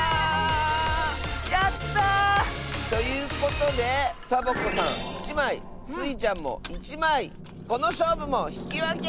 やった！ということでサボ子さん１まいスイちゃんも１まいこのしょうぶもひきわけ！